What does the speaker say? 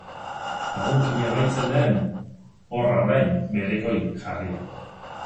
Lagunkina baitzen lehen, horra orain berekoi jarria.